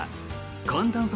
寒暖差